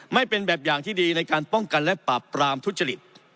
ไม่เป็นแบบอย่างที่ดีในการป้องกันและปราบปรามทุจริต